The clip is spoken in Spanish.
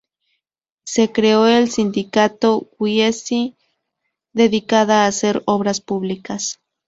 Se creó el Sindicato Wiese, dedicada a hacer obras públicas.